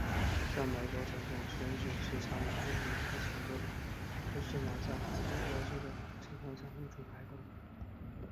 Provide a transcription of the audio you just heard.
在美国总统选举史上每一名共和党籍总统都是在拿下俄亥俄州的情况下入主白宫。